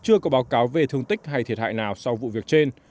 chưa có báo cáo về thương tích hay thiệt hại nào sau vụ việc trên